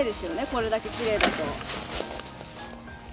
これだけきれいだと。